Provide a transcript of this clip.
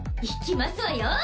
いきますわよ。